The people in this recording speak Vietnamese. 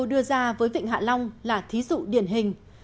đưa ra với vịnh hạ long là thí dụ điển hình